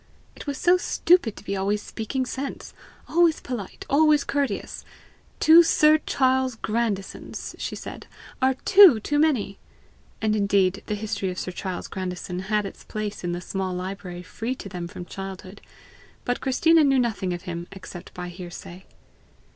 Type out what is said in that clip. It was so stupid to be always speaking sense! always polite! always courteous! "Two sir Charles Grandisons," she said, "are two too many!" And indeed the History of Sir Charles Grandison had its place in the small library free to them from childhood; but Christina knew nothing of him except by hearsay.